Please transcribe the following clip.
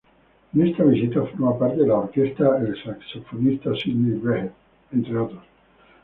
En esta visita, forma parte de la orquesta el saxofonista Sidney Bechet, entre otros.